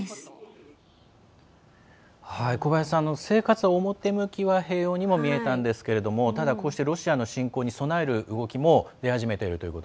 生活は表向きは平穏にも見えたんですけれどもただ、こうしてロシアの侵攻に備える動きも出始めていると。